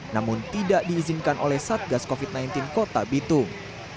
namun tidak diizinkan oleh satgas covid sembilan belas kota bitung